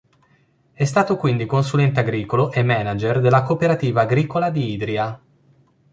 È stato quindi consulente agricolo e manager della cooperativa agricola di Idria.